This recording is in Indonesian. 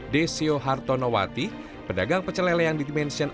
desio hartonowati pedagang pecelele yang dimensiun